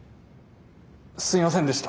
すいませんでした。